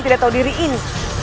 tidak tahu diri ini